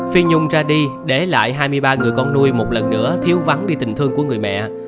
phi nhung ra đi để lại hai mươi ba người con nuôi một lần nữa thiếu vắng đi tình thương của người mẹ